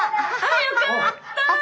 よかった！